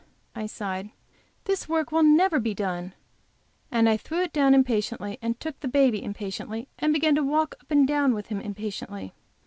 I sighed, "this work will never be done!" and threw it down impatiently, and took the baby impatiently, and began to walk up and down with him impatiently.